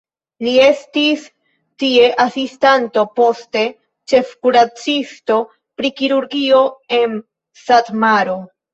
Li estis tie asistanto, poste ĉefkuracisto pri kirurgio en Satmaro.